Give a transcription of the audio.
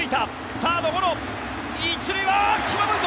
サードゴロ、１塁は際どいぞ！